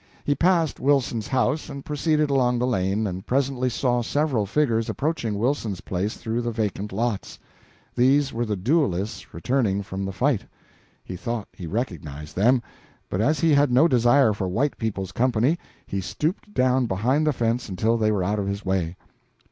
He passed Wilson's house and proceeded along the lane, and presently saw several figures approaching Wilson's place through the vacant lots. These were the duelists returning from the fight; he thought he recognized them, but as he had no desire for white people's company, he stooped down behind the fence until they were out of his way.